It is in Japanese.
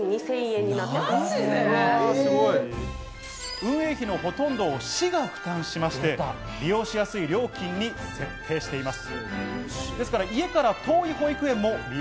運営費のほとんどを市が負担しまして、利用しやすい料金に設定しています。